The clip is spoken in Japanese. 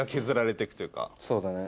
そうだね。